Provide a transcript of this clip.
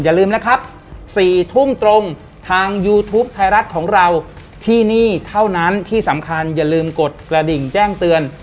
อย่าลืมนะครับ๔ทุ่มตรงทางยูทูปไทยรัฐของเราที่นี่เท่านั้นที่สำคัญอย่าลืมกดกระดิ่งแจ้งเตือน